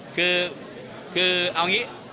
คือเอางี้